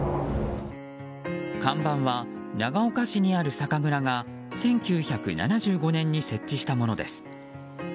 看板は、長岡市にある酒蔵が１９７５年に設置したものです。